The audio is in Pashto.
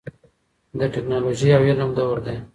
د ټیکنالوژۍ او علم دور دی.